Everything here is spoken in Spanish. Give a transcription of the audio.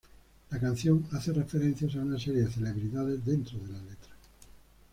La canción hace referencias a una serie de celebridades dentro de la letra.